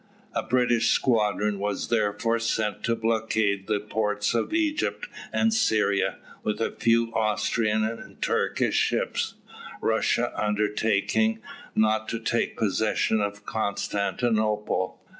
A British squadron was therefore sent to blockade the ports of Egypt and Syria, with a few Austrian and Turkish ships, Russia undertaking not to take possession of Constantinople.